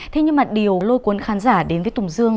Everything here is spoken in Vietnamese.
thế nhưng mà điều lôi cuốn khán giả đến với tùng dương